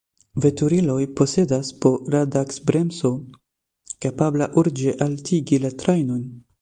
Veturiloj posedas po radaks-bremso, kapabla urĝe haltigi la trajnon.